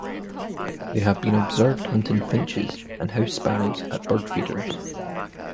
They have been observed hunting finches and house sparrows at bird feeders.